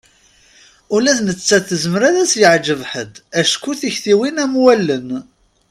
Ula d nettat tezmer ad s-yeɛǧeb ḥedd acku tiktiwin am wallen.